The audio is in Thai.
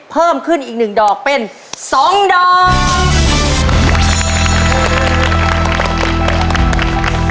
เพิ่มขึ้นอีก๑ดอกเป็น๒ดอก